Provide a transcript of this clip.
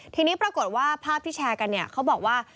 ทีนี้ปรากฏว่าภาพที่แชร์กันเนี่ยเขาบอกว่า